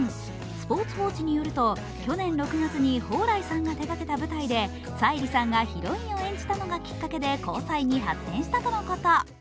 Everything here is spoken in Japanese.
スポーツ報知によると去年６月に蓬莱さんが手がけた舞台で沙莉さんがヒロインを演じたのが交際に発展したとのこと。